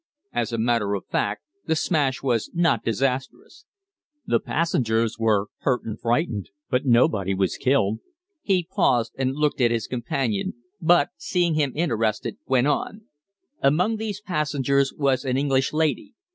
As a matter of fact, the smash was not disastrous; the passengers were hurt and frightened, but nobody was killed." He paused and looked at his companion, but, seeing him interested, went on: "Among these passengers was an English lady.